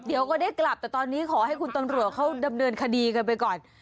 เดี๋ยวก็ได้กลับแต่ตอนนี้ขอให้คุณตำรวจเขาดำเนินคดีกันไปก่อน